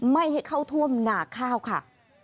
ไม่ให้เข้าท่วมหนาข้าวค่ะ